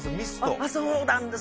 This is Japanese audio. そうなんです！